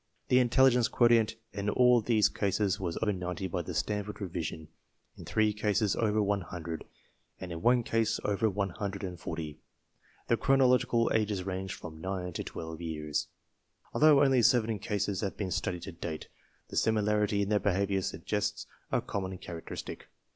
The intelligence quo tient in all these cases was over 90 by the Stanford Revision, in three cases over 100 and in one case over 140. The chronological ages ranged from 9 to 12 years. Although only seven cases have been studied to date, the similarity in their behavior suggests a common characteristic.